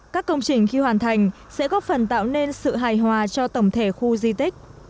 các công trình khi hoàn thành sẽ góp phần tạo nên sự hài hòa cho tổng thể khu di tích